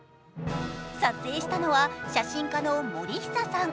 撮影したのは、写真家の森久さん。